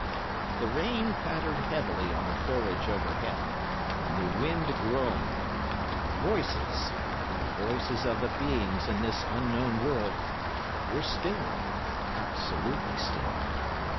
The rain pattered heavily on the foliage overhead, and the wind groaned, but the voices—the voices of the beings in this Unknown World—were still, absolutely still.